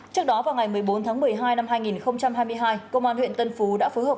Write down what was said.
trước đó vào ngày một mươi bốn tháng một mươi hai năm hai nghìn hai mươi hai công an huyện tân phú đã phối hợp